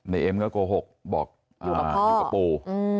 เอ็มก็โกหกบอกอยู่กับปู